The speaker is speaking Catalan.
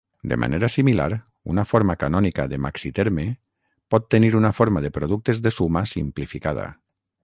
De manera similar, una forma canònica de maxiterme pot tenir una forma de productes de suma simplificada.